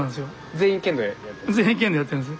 全員剣道やってるんです。